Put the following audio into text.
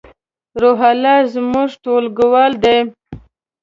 روح الله زمونږ ټولګیوال ده